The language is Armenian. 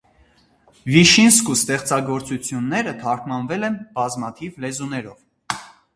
Վիշինսկու ստեղծագործությունները թարգմանվել են բազմաթիվ լեզուներով։